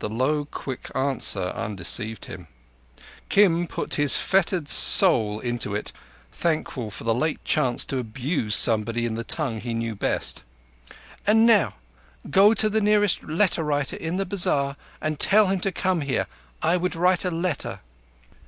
The low, quick answer undeceived him. Kim put his fettered soul into it, thankful for the late chance to abuse somebody in the tongue he knew best. "And now, go to the nearest letter writer in the bazar and tell him to come here. I would write a letter."